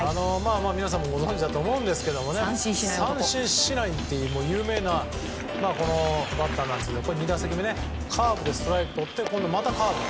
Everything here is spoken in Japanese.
皆さんもご存じだと思うんですけれども三振しないことで有名なバッターなんですが２打席目、カーブでストライクをとってまたカーブ。